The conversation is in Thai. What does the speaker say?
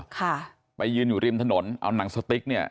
ค่ะไปยืนอยู่ริมถนนเอาหนังสติ๊กเนี่ย